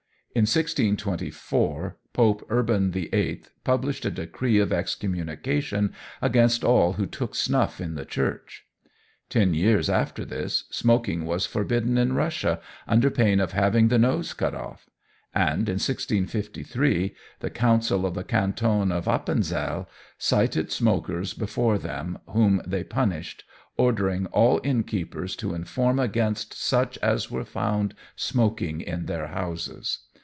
In 1624 Pope Urban VIII published a decree of excommunication against all who took snuff in the church. Ten years after this, smoking was forbidden in Russia under pain of having the nose cut off; and in 1653 the Council of the Canton of Appenzell cited smokers before them, whom they punished, ordering all innkeepers to inform against such as were found smoking in their houses.